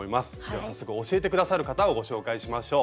では早速教えて下さる方をご紹介しましょう。